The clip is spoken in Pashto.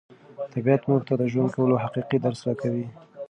طبیعت موږ ته د ژوند کولو حقیقي درس راکوي.